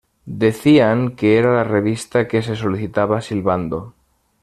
Decían que era la revista que se solicitaba silbando.